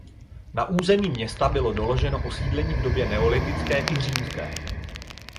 Na území města bylo doloženo osídlení v době neolitické i římské.